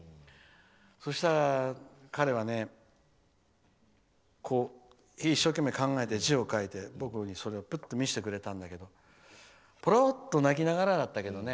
そうしたら、彼は一生懸命考えて字を書いて僕にそれを見せてくれたんだけどぽろっと泣きながらだったけどね。